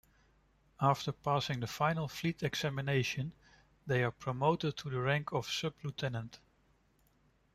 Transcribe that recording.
After passing the final fleet examination, they are promoted to the rank of sub-lieutenant.